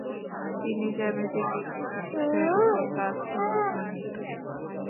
তিনি জ্যামিতিক বিভিন্ন বিষয়ের উপর কাজ শুরু করেন।